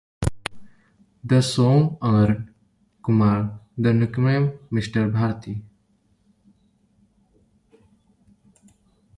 The song earned Kumar the nickname Mister Bharat.